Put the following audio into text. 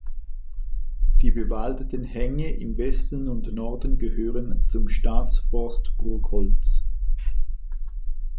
Die bewaldeten Hänge im Westen und Norden gehören zum Staatsforst Burgholz.